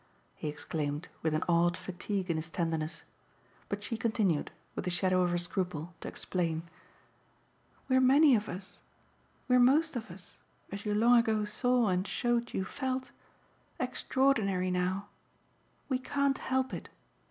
he exclaimed with an odd fatigue in his tenderness. But she continued, with the shadow of her scruple, to explain. "We're many of us, we're most of us as you long ago saw and showed you felt extraordinary now. We can't help it.